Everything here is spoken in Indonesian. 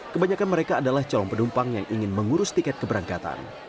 kebanyakan mereka adalah calon penumpang yang ingin mengurus tiket keberangkatan